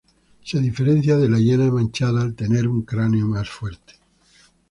Se diferencia de la hiena manchada al tener un cráneo más fuerte.